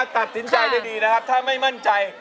ตัดสินใจได้ดีนะครับถ้าไม่มั่นใจ